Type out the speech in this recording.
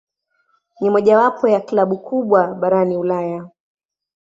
Ni mojawapo ya klabu kubwa barani Ulaya.